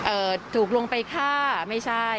เอ่อถูกลงไปฆ่าไม่ใช่